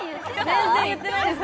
全然言ってないです